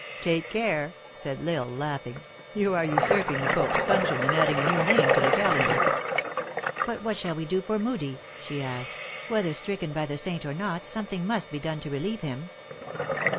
"Take care," said L Isle, laughing. "You are usurping the Pope s function, and adding a new name to the calender." THE ACTRESS IN HIGH LIFE. 227 " But what shall we do for Moodie ?" she asked. " Whether stricken by the saint or not, something must be done to relieve him."